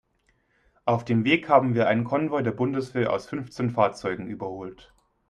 Auf dem Weg haben wir einen Konvoi der Bundeswehr aus fünfzehn Fahrzeugen überholt.